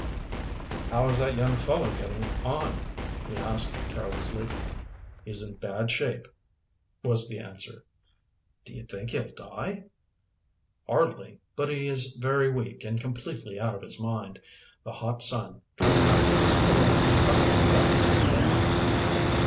"How is that young fellow getting on?" he asked carelessly. "He's in bad shape," was the answer. "Do you think he'll die?" "Hardly, but he is very weak and completely out of his mind. The hot sun, coming after the storm, must have affected his brain."